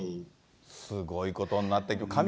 すごいことになってくる。